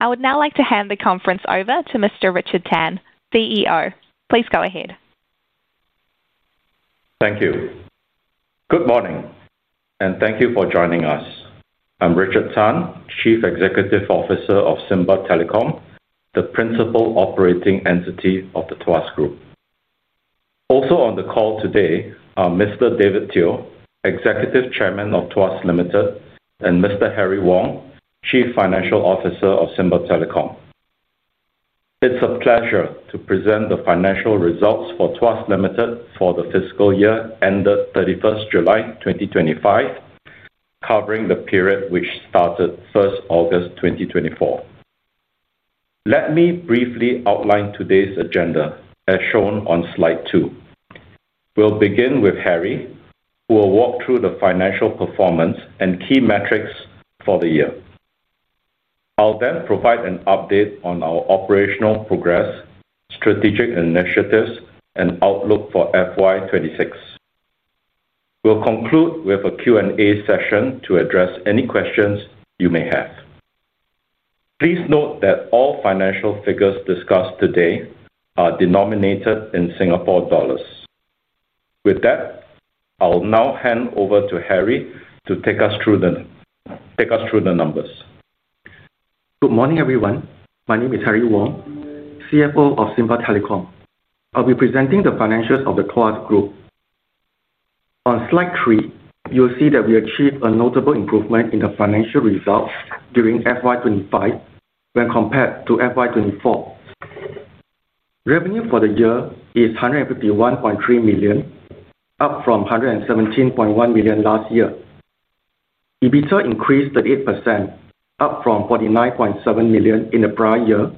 I would now like to hand the conference over to Mr. Richard Tan, CEO. Please go ahead. Thank you. Good morning, and thank you for joining us. I'm Richard Tan, Chief Executive Officer of SIMBA Telecom, the principal operating entity of the Tuas Group. Also on the call today are Mr. David Teoh, Executive Chairman of Tuas Limited, and Mr. Harry Wong, Chief Financial Officer of SIMBA Telecom. It's a pleasure to present the financial results for Tuas Limited for the fiscal year ended 31st July 2025, covering the period which started 1st August 2024. Let me briefly outline today's agenda, as shown on slide two. We'll begin with Harry, who will walk through the financial performance and key metrics for the year. I'll then provide an update on our operational progress, strategic initiatives, and outlook for FY 2026. We'll conclude with a Q&A session to address any questions you may have. Please note that all financial figures discussed today are denominated in Singapore dollars. With that, I'll now hand over to Harry to take us through the numbers. Good morning, everyone. My name is Harry Wong, CFO of SIMBA Telecom. I'll be presenting the financials of the Tuas Group. On slide three, you'll see that we achieved a notable improvement in the financial results during FY 2025 when compared to FY 2024. Revenue for the year is 151.3 million, up from 117.1 million last year. EBITDA increased 38%, up from 49.7 million in the prior year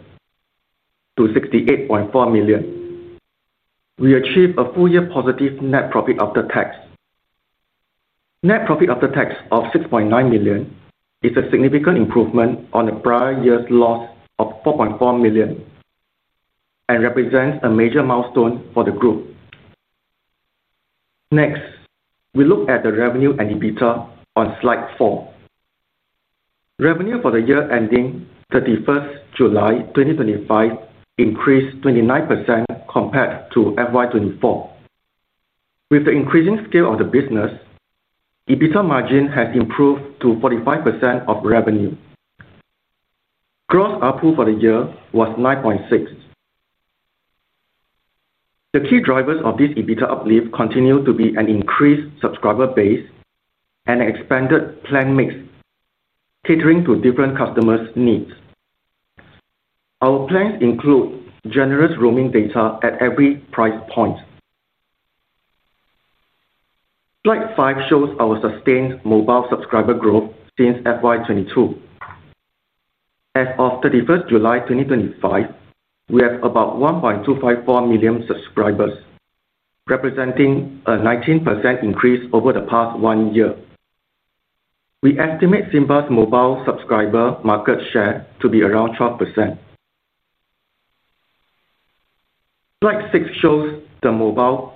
to 68.4 million. We achieved a full-year positive net profit after tax. Net profit after tax of 6.9 million is a significant improvement on the prior year's loss of 4.4 million and represents a major milestone for the group. Next, we look at the revenue and EBITDA on slide four. Revenue for the year ending 31st July 2025 increased 29% compared to FY 2024. With the increasing scale of the business, EBITDA margin has improved to 45% of revenue. Gross output for the year was 9.6%. The key drivers of this EBITDA uplift continue to be an increased subscriber base and an expanded plan mix, catering to different customers' needs. Our plans include generous roaming data at every price point. Slide five shows our sustained mobile subscriber growth since FY 2022. As of 31s July 2025, we have about 1.254 million subscribers, representing a 19% increase over the past one year. We estimate SIMBA's mobile subscriber market share to be around 12%. Slide six shows the mobile...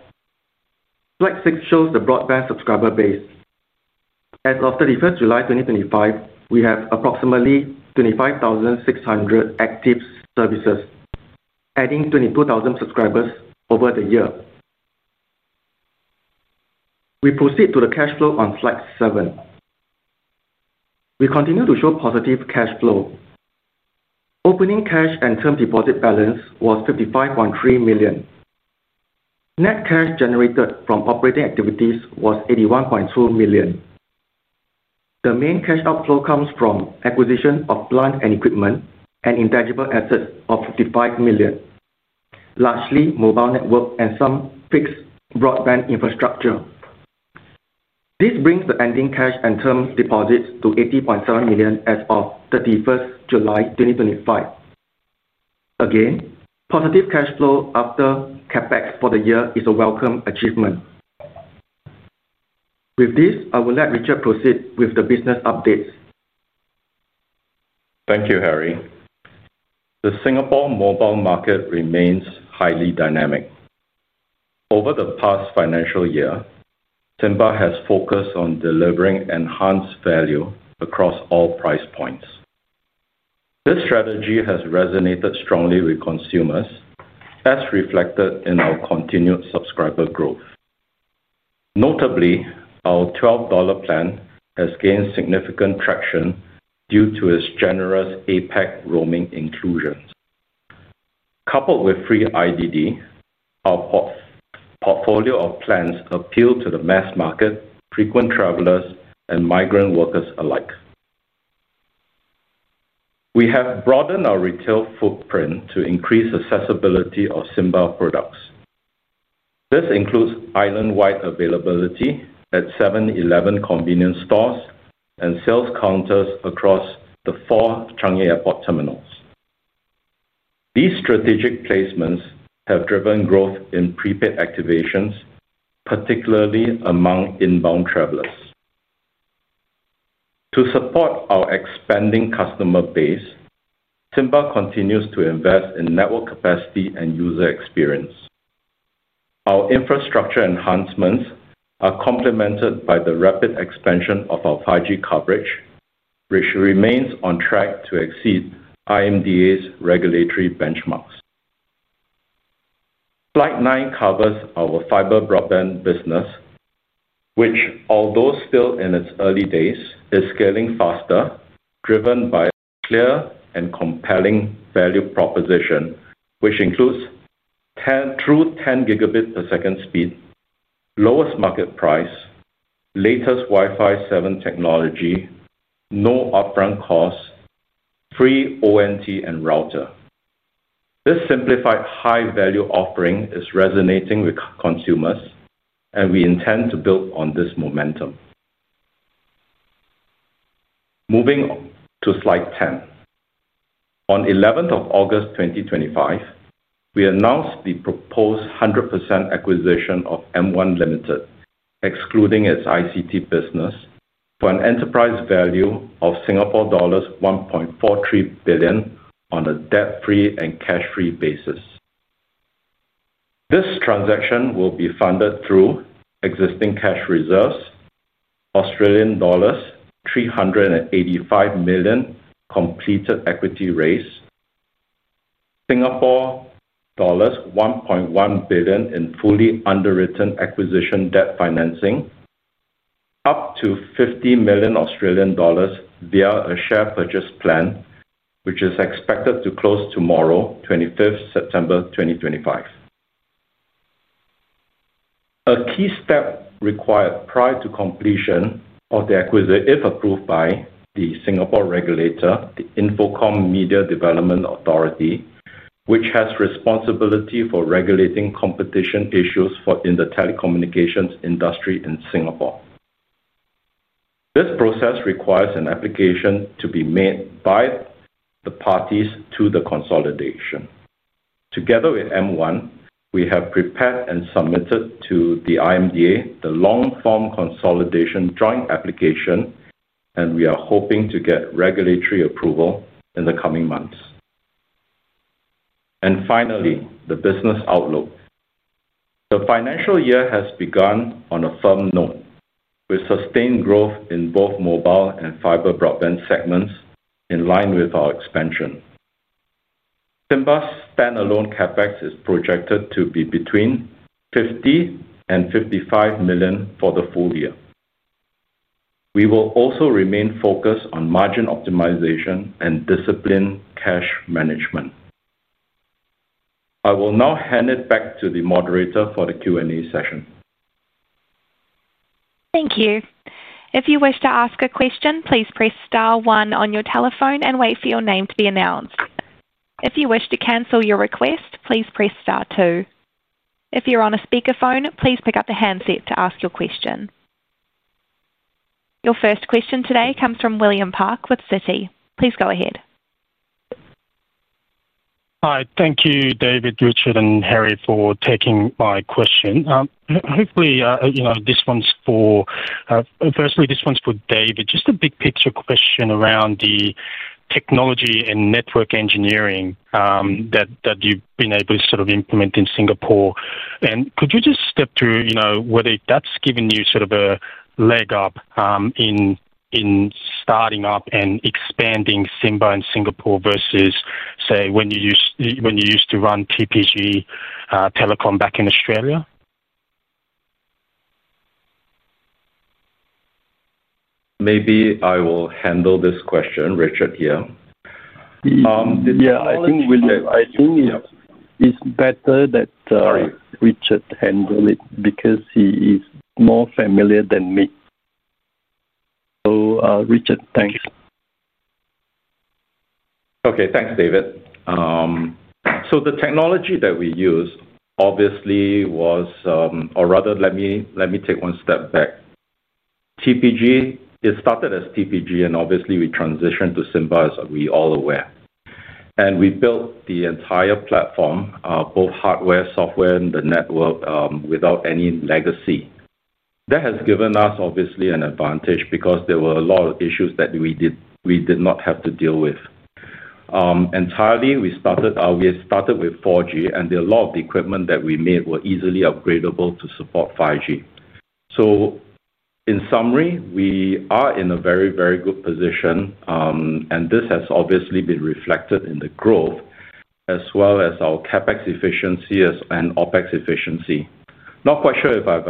Slide six shows the broadband subscriber base. As of 31st July 2025, we have approximately 25,600 active services, adding 22,000 subscribers over the year. We proceed to the cash flow on slide seven. We continue to show positive cash flow. Opening cash and term deposit balance was 55.3 million. Net cash generated from operating activities was 81.2 million. The main cash outflow comes from acquisition of plant and equipment and intangible assets of 55 million, largely mobile network and some fixed broadband infrastructure. This brings the ending cash and term deposits to 80.7 million as of 31 July 2025. Again, positive cash flow after CapEx for the year is a welcome achievement. With this, I will let Richard proceed with the business updates. Thank you, Harry. The Singapore mobile market remains highly dynamic. Over the past financial year, SIMBA has focused on delivering enhanced value across all price points. This strategy has resonated strongly with consumers, as reflected in our continued subscriber growth. Notably, our 12 dollar plan has gained significant traction due to its generous APAC roaming inclusions. Coupled with free IDD, our portfolio of plans appeal to the mass market, frequent travelers, and migrant workers alike. We have broadened our retail footprint to increase accessibility of SIMBA products. This includes island-wide availability at 7-Eleven convenience stores and sales counters across the four Changi Airport terminals. These strategic placements have driven growth in prepaid activations, particularly among inbound travelers. To support our expanding customer base, SIMBA continues to invest in network capacity and user experience. Our infrastructure enhancements are complemented by the rapid expansion of our 5G coverage, which remains on track to exceed IMDA's regulatory benchmarks. Slide nine covers our fiber broadband business, which, although still in its early days, is scaling faster, driven by a clear and compelling value proposition, which includes 10 Gb trough 10 Gb per second speed, lowest market price, latest Wi-Fi 7 technology, no upfront cost, free ONT and router. This simplified high-value offering is resonating with consumers, and we intend to build on this momentum. Moving to slide 10. On 11th August 2025, we announced the proposed 100% acquisition of M1 Limited, excluding its ICT business, for an enterprise value of Singapore dollars 1.43 billion on a debt-free and cash-free basis. This transaction will be funded through existing cash reserves, Australian dollars 385 million completed equity raise, Singapore dollars 1.1 billion in fully underwritten acquisition debt financing, up to 50 million Australian dollars via a share purchase plan, which is expected to close tomorrow, 25th September 2025. A key step required prior to completion of the acquisition is to be approved by the Singapore regulator, the Infocomm Media Development Authority, which has responsibility for regulating competition issues in the telecommunications industry in Singapore. This process requires an application to be made by the parties to the consolidation. Together with M1, we have prepared and submitted to the IMDA the long-form consolidation joint application, and we are hoping to get regulatory approval in the coming months. Finally, the business outlook. The financial year has begun on a firm note, with sustained growth in both mobile and fiber broadband segments in line with our expansion. SIMBA's standalone CapEx is projected to be between 50 million and 55 million for the full year. We will also remain focused on margin optimization and disciplined cash management. I will now hand it back to the moderator for the Q&A session. Thank you. If you wish to ask a question, please press star one on your telephone and wait for your name to be announced. If you wish to cancel your request, please press star two. If you're on a speakerphone, please pick up the handset to ask your question. Your first question today comes from William Park with Citi. Please go ahead. Hi, thank you, David, Richard, and Harry, for taking my question. Hopefully, this one's for, firstly, this one's for David. Just a big picture question around the technology and network engineering that you've been able to sort of implement in Singapore. Could you just step through whether that's given you sort of a leg up in starting up and expanding SIMBA in Singapore versus, say, when you used to run TPG Telecom back in Australia? Maybe I will handle this question, Richard here. I think it's better that Richard handles it because he is more familiar than me. So, Richard, thanks. Okay. Thanks, David. The technology that we used, obviously, was, or rather, let me take one step back. TPG, it started as TPG, and obviously we transitioned to SIMBA, as we are all aware. We built the entire platform, both hardware, software, and the network, without any legacy. That has given us, obviously, an advantage because there were a lot of issues that we did not have to deal with. Entirely, we started with 4G, and a lot of the equipment that we made was easily upgradable to support 5G. In summary, we are in a very, very good position, and this has obviously been reflected in the growth, as well as our CapEx efficiency and OpEx efficiency. Not quite sure if I've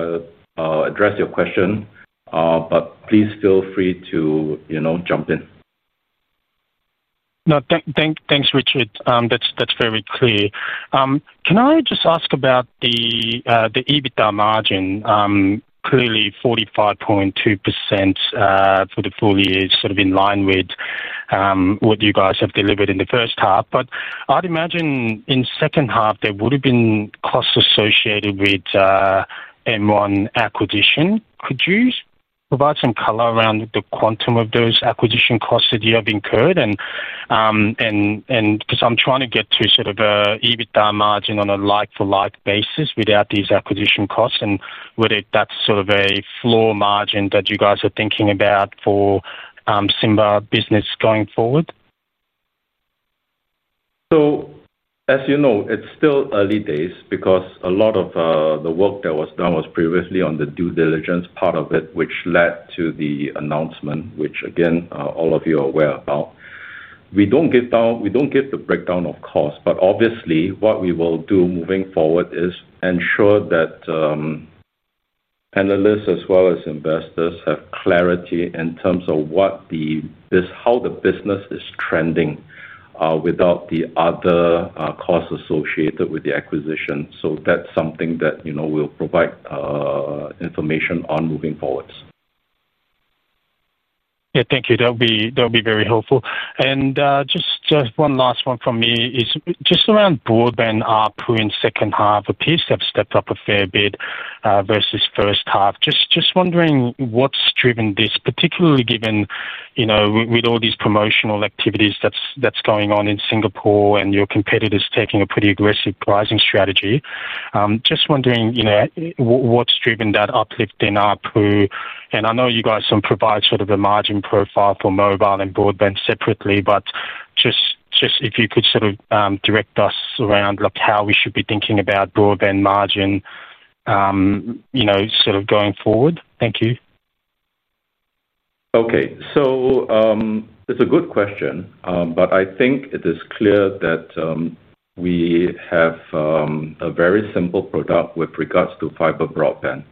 addressed your question, but please feel free to, you know, jump in. Thanks, Richard. That's very clear. Can I just ask about the EBITDA margin? Clearly, 45.2% for the full year is sort of in line with what you guys have delivered in the first half. I'd imagine in the second half, there would have been costs associated with the M1 acquisition. Could you provide some color around the quantum of those acquisition costs that you have incurred? I'm trying to get to sort of an EBITDA margin on a like-for-like basis without these acquisition costs, and whether that's sort of a floor margin that you guys are thinking about for the SIMBA business going forward? As you know, it's still early days because a lot of the work that was done was previously on the due diligence part of it, which led to the announcement, which again, all of you are aware about. We don't give the breakdown of costs, but obviously what we will do moving forward is ensure that analysts as well as investors have clarity in terms of how the business is trending without the other costs associated with the acquisition. That's something that we'll provide information on moving forward. Thank you. That would be very helpful. Just one last one from me is just around broadband output in the second half. Appears to have stepped up a fair bit versus the first half. Just wondering what's driven this, particularly given, you know, with all these promotional activities that's going on in Singapore and your competitors taking a pretty aggressive pricing strategy. Just wondering, you know, what's driven that uplift in output? I know you guys can provide sort of a margin profile for mobile and broadband separately, but just if you could sort of direct us around like how we should be thinking about broadband margin, you know, sort of going forward. Thank you. Okay, it's a good question. I think it is clear that we have a very simple product with regards to fiber broadband.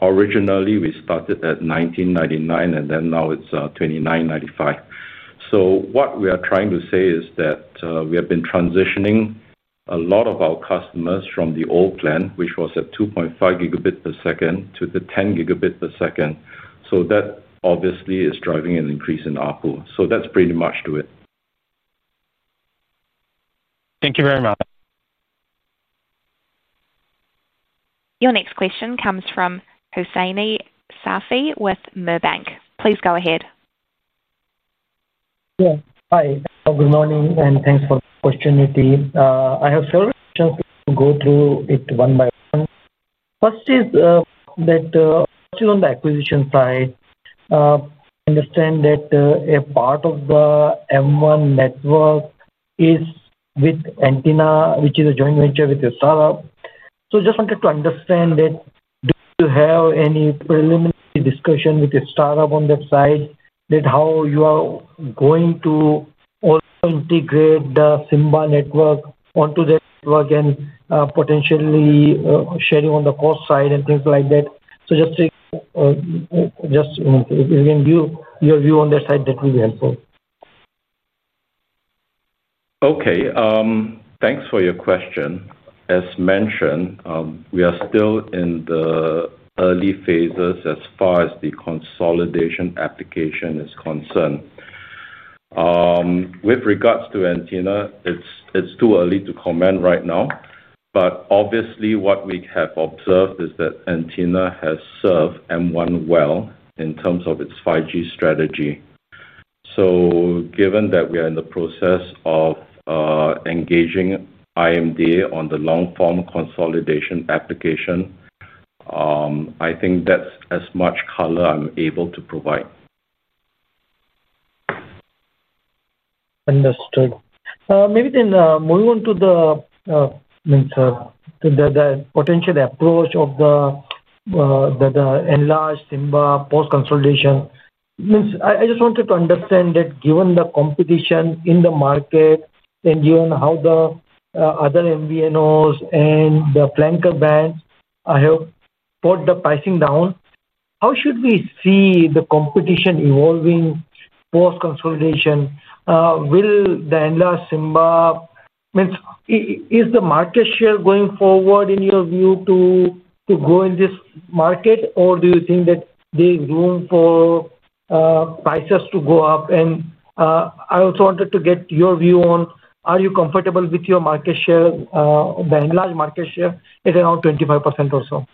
Originally, we started at 19.99, and now it's 29.95. What we are trying to say is that we have been transitioning a lot of our customers from the old plan, which was at 2.5 Gb per second, to the 10 Gb per second. That obviously is driving an increase in output. That's pretty much it. Thank you very much. Your next question comes from [Hosseini Safi with Mobank]. Please go ahead. Yeah, hi. Good morning and thanks for the opportunity. I have several questions to go through one by one. First is that still on the acquisition side, I understand that a part of the M1 network is with Antina, which is a joint venture with the startup. I just wanted to understand that do you have any preliminary discussion with the startup on that side, how you are going to also integrate the SIMBA network onto that network and potentially sharing on the cost side and things like that? If you can give your view on that side, that would be helpful. Okay, thanks for your question. As mentioned, we are still in the early phases as far as the consolidation application is concerned. With regards to Antina, it's too early to comment right now. Obviously, what we have observed is that Antina has served M1 well in terms of its 5G strategy. Given that we are in the process of engaging the Infocom Media Development Authority on the long-form consolidation application, I think that's as much color I'm able to provide. Understood. Maybe then moving on to the potential approach of the enlarged SIMBA post-consolidation. I just wanted to understand that given the competition in the market and given how the other MVNOs and the flanker brands have put the pricing down, how should we see the competition evolving post-consolidation? Will the enlarged SIMBA, I mean, is the market share going forward in your view to grow in this market, or do you think that there's room for prices to go up? I also wanted to get your view on, are you comfortable with your market share, the enlarged market share at around 25% or so?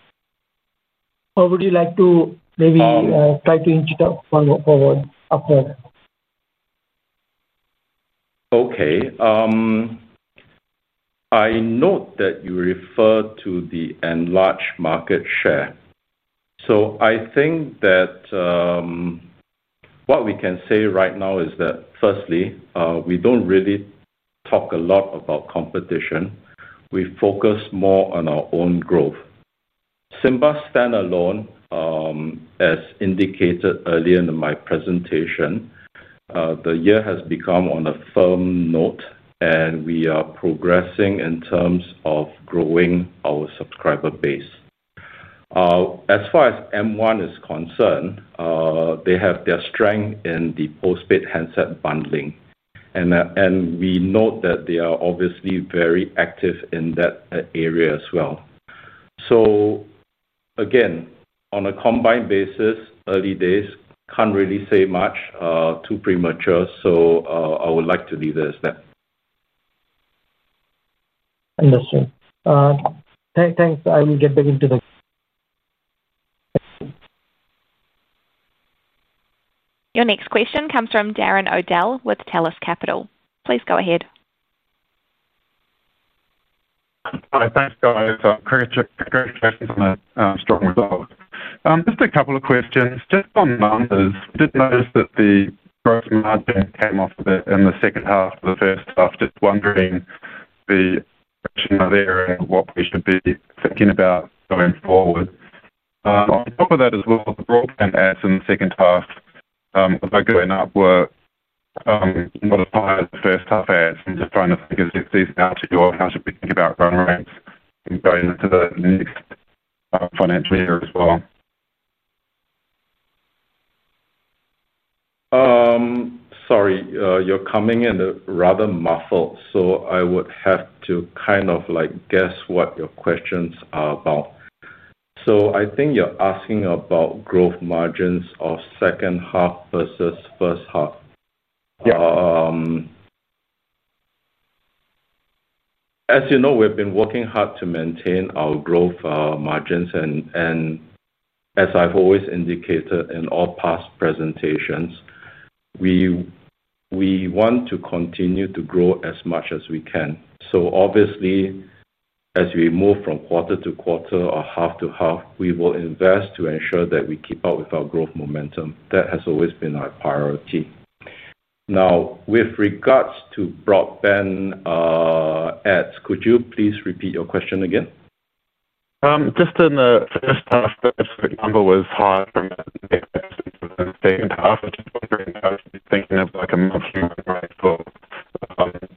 Would you like to maybe try to inch it up forward? Okay. I note that you refer to the enlarged market share. I think that what we can say right now is that, firstly, we don't really talk a lot about competition. We focus more on our own growth. SIMBA standalone, as indicated earlier in my presentation, the year has begun on a firm note, and we are progressing in terms of growing our subscriber base. As far as M1 is concerned, they have their strength in the postpaid handset bundling, and we note that they are obviously very active in that area as well. On a combined basis, early days, can't really say much, too premature. I would like to leave it at that. Understood. Thanks. I will get back into the... Your next question comes from [Darren Odell] with TELUS Capital. Please go ahead. Hi, thanks, guys. I'm very impressed with the strong result. Just a couple of questions. Just on numbers, I did notice that the gross margin came off in the second half of the first half. Just wondering the option there and what we should be thinking about going forward. On top of that as well, the broadband adds in the second half, by going up, were one of the highest first half adds. Trying to give you a seasonal outlook of how should we think about run rates going into the next financial year as well. Sorry, you're coming in rather muffled, so I would have to guess what your questions are about. I think you're asking about growth margins of second half versus first half. As you know, we've been working hard to maintain our growth margins, and as I've always indicated in all past presentations, we want to continue to grow as much as we can. Obviously, as we move from quarter to quarter or half to half, we will invest to ensure that we keep up with our growth momentum. That has always been our priority. Now, with regards to broadband ads, could you please repeat your question again? Just in the first half, the number was higher than the second half. I was just thinking of like a monthly number.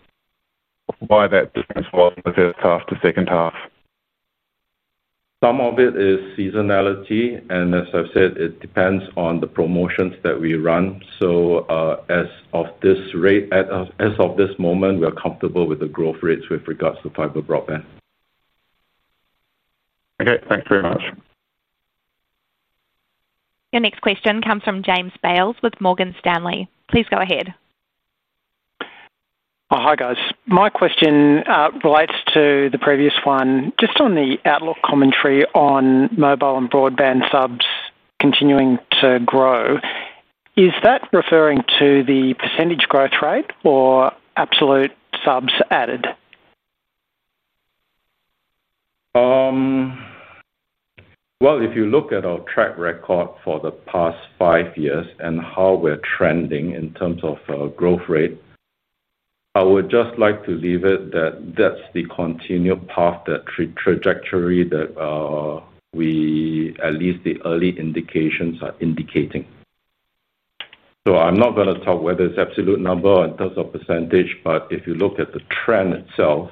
Why that difference was from the first half to the second half? Some of it is seasonality, and as I've said, it depends on the promotions that we run. At this moment, we are comfortable with the growth rates with regards to fiber broadband. Okay, thanks very much. Your next question comes from James Bales with Morgan Stanley. Please go ahead. Hi guys. My question relates to the previous one, just on the outlook commentary on mobile and broadband subs continuing to grow. Is that referring to the percentage growth rate or absolute subs added? If you look at our track record for the past five years and how we're trending in terms of growth rate, I would just like to leave it that that's the continued path, that trajectory that we, at least the early indications, are indicating. I'm not going to talk whether it's an absolute number or in terms of percentage, but if you look at the trend itself,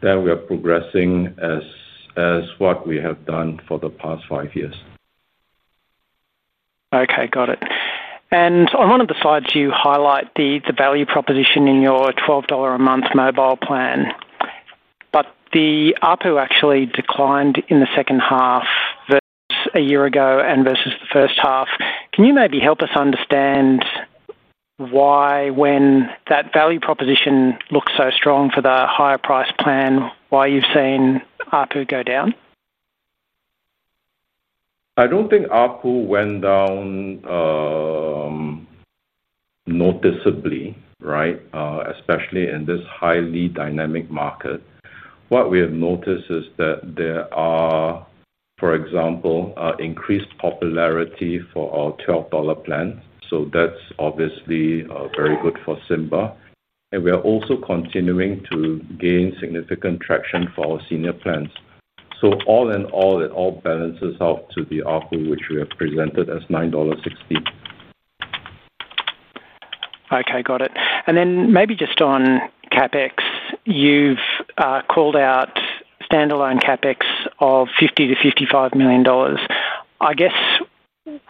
then we are progressing as what we have done for the past five years. Okay, got it. On one of the slides, you highlight the value proposition in your 12 dollar a month mobile plan. The output actually declined in the second half versus a year ago and versus the first half. Can you maybe help us understand why, when that value proposition looks so strong for the higher price plan, you've seen output go down? I don't think output went down noticeably, right? Especially in this highly dynamic market. What we have noticed is that there are, for example, increased popularity for our 12 dollar plans. That's obviously very good for SIMBA. We are also continuing to gain significant traction for our senior plans. All in all, it all balances out to the output, which we have presented as 9.60 dollars. Okay, got it. Maybe just on CapEx, you've called out standalone CapEx of 50 million-55 million dollars. I guess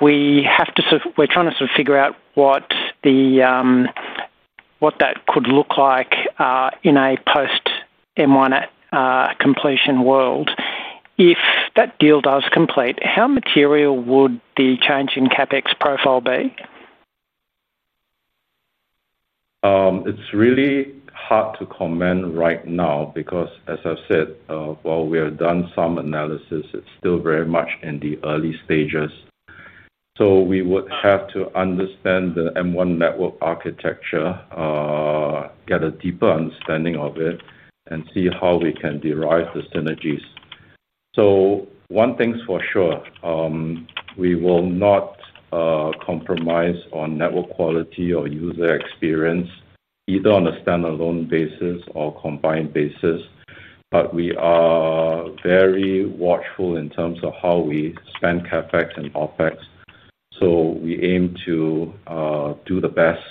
we have to sort of figure out what that could look like in a post-M1 Limited completion world. If that deal does complete, how material would the change in CapEx profile be? It's really hard to comment right now because, as I've said, while we have done some analysis, it's still very much in the early stages. We would have to understand the M1 network architecture, get a deeper understanding of it, and see how we can derive the synergies. One thing's for sure, we will not compromise on network quality or user experience, either on a standalone basis or combined basis. We are very watchful in terms of how we spend CapEx and OpEx. We aim to do the best.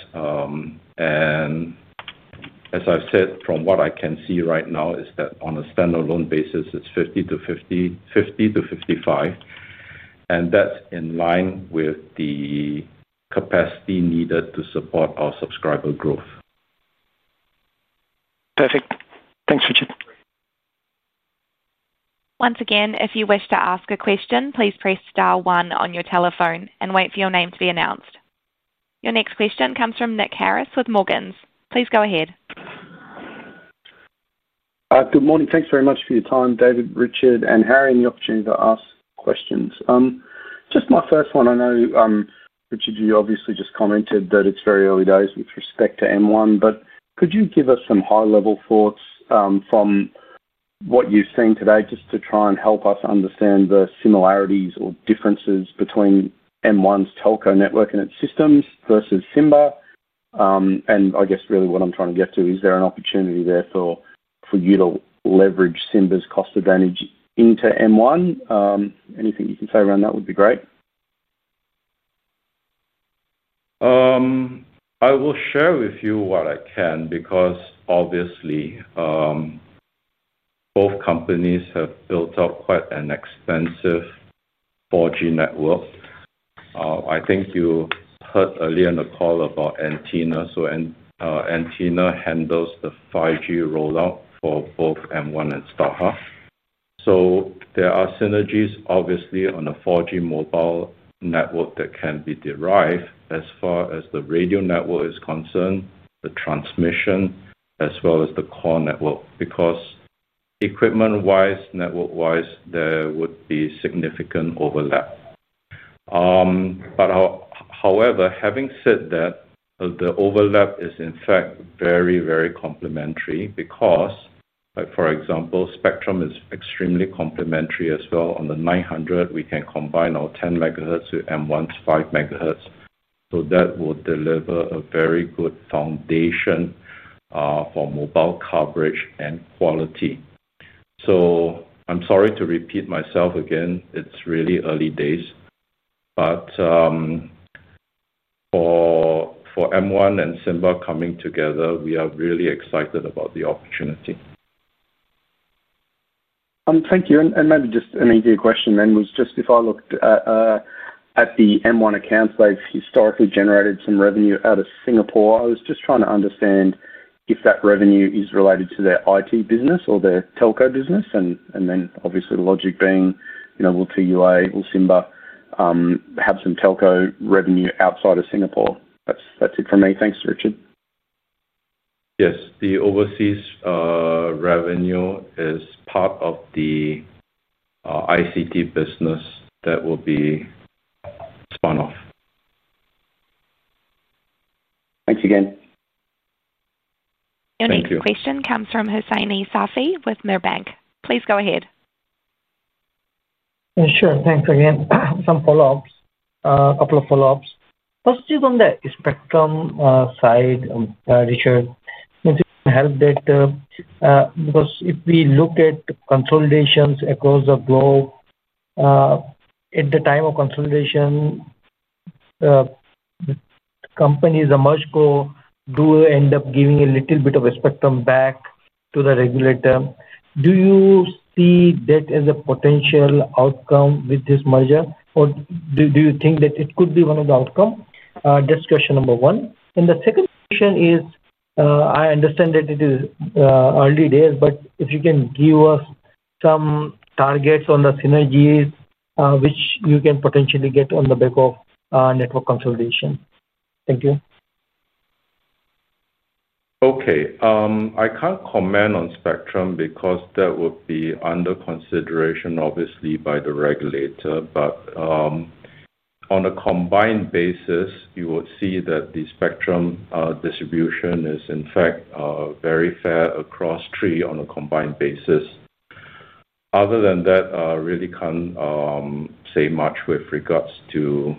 As I've said, from what I can see right now is that on a standalone basis, it's 50 million-50 million, 50 million-55 million. That's in line with the capacity needed to support our subscriber growth. Perfect. Thanks, Richard. Once again, if you wish to ask a question, please press star one on your telephone and wait for your name to be announced. Your next question comes from Nick Harris with Morgans. Please go ahead. Good morning. Thanks very much for your time, David, Richard, and Harry, and the opportunity to ask questions. Just my first one. I know, Richard, you obviously just commented that it's very early days with respect to M1, but could you give us some high-level thoughts from what you've seen today just to try and help us understand the similarities or differences between M1's telco network and its systems versus SIMBA? I guess really what I'm trying to get to is there an opportunity there for you to leverage SIMBA's cost advantage into M1? Anything you can say around that would be great. I will share with you what I can because obviously both companies have built up quite an expensive 4G network. I think you heard earlier in the call about Antina. Antina handles the 5G rollout for both M1 and StarHub. There are synergies obviously on the 4G mobile network that can be derived as far as the radio network is concerned, the transmission, as well as the core network because equipment-wise, network-wise, there would be significant overlap. However, having said that, the overlap is in fact very, very complementary because, like for example, spectrum is extremely complementary as well. On the 900 MGz, we can combine our 10 MGz with M1's 5 MGz. That will deliver a very good foundation for mobile coverage and quality. I'm sorry to repeat myself again, it's really early days. For M1 and SIMBA Telecom coming together, we are really excited about the opportunity. Thank you. Maybe just an immediate question. Just before, I looked at the M1 accounts. They've historically generated some revenue out of Singapore. I was just trying to understand if that revenue is related to their ICT business or their telco business. Obviously, the logic being, you know, will Tuas will SIMBA have some telco revenue outside of Singapore? That's it for me. Thanks, Richard. Yes, the overseas revenue is part of the ICT business that will be spun off. Thanks again. Your next question comes from [Hosseini Safi with Mobank]. Please go ahead. Yeah, sure. Thanks again. I have some follow-ups, a couple of follow-ups. First, on the spectrum side, Richard, if you can help that because if we look at consolidations across the globe, at the time of consolidation, companies emerge or do end up giving a little bit of a spectrum back to the regulator. Do you see that as a potential outcome with this merger? Do you think that it could be one of the outcomes? That's question number one. The second question is, I understand that it is early days, but if you can give us some targets on the synergies, which you can potentially get on the back of network consolidation. Thank you. Okay. I can't comment on spectrum because that would be under consideration, obviously, by the regulator. On a combined basis, you will see that the spectrum distribution is in fact very fair across three on a combined basis. Other than that, I really can't say much with regards to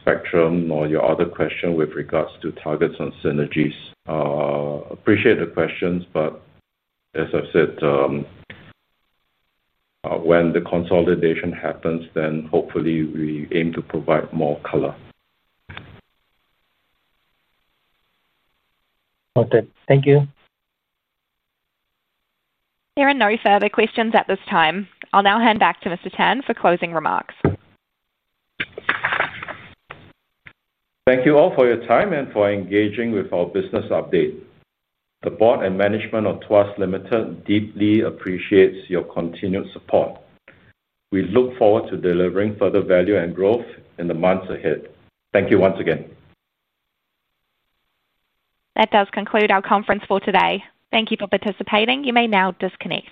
spectrum nor your other question with regards to targets on synergies. Appreciate the questions, but as I've said, when the consolidation happens, then hopefully we aim to provide more color. Got it. Thank you. There are no further questions at this time. I'll now hand back to Mr. Tan for closing remarks. Thank you all for your time and for engaging with our business update. The Board and management of Tuas Limited deeply appreciates your continued support. We look forward to delivering further value and growth in the months ahead. Thank you once again. That does conclude our conference for today. Thank you for participating. You may now disconnect.